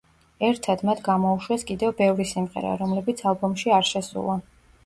ერთად, მათ გამოუშვეს კიდევ ბევრი სიმღერა, რომლებიც ალბომში არ შესულა.